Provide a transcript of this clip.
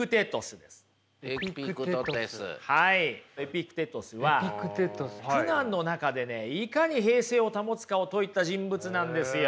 エピクテトスは苦難の中でねいかに平静を保つかを説いた人物なんですよ。